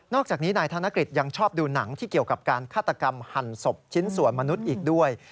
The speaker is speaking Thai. อกจากนี้นายธนกฤษยังชอบดูหนังที่เกี่ยวกับการฆาตกรรมหั่นศพชิ้นส่วนมนุษย์อีกด้วย